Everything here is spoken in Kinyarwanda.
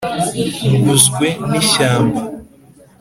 nguzwe n'ishyamba